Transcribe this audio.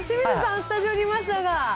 スタジオにいましたが。